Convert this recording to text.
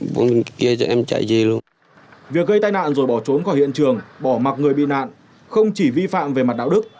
việc gây tai nạn rồi bỏ trốn khỏi hiện trường bỏ mặt người bị nạn không chỉ vi phạm về mặt đạo đức